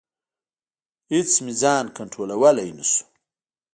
اېڅ مې ځان کنټرولولی نشو.